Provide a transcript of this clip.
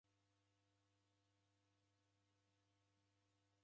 W'andu w'andalomba ikanisenyi.